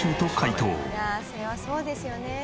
いやそれはそうですよね。